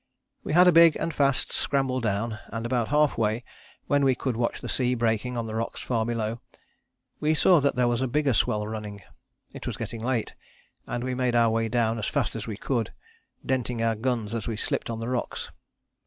"We had a big and fast scramble down, and about half way, when we could watch the sea breaking on the rocks far below, we saw that there was a bigger swell running. It was getting late, and we made our way down as fast as we could denting our guns as we slipped on the rocks.